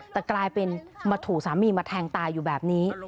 แต่กลายเป็นมาถูกสามีมาแทงตายอยู่แบบนี้